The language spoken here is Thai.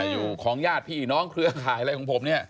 อยู่ของญาติพี่น้องเครือข่ายอะไรของผมเนี่ย